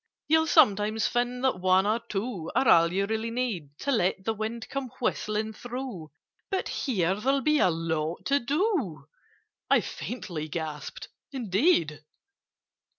"You'll sometimes find that one or two Are all you really need To let the wind come whistling through— But here there'll be a lot to do!" I faintly gasped "Indeed!